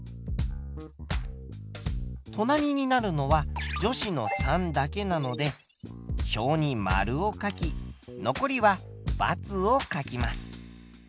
隣になるのは女子の３だけなので表に○を書き残りは×を書きます。